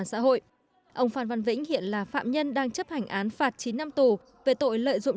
xã hội ông phan văn vĩnh hiện là phạm nhân đang chấp hành án phạt chín năm tù về tội lợi dụng